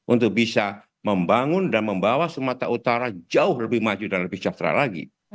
untuk bisa membangun dan membawa sumatera utara jauh lebih maju dan lebih sejahtera lagi